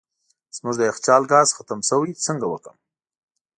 زموږ د یخچال ګاز ختم سوی څنګه وکم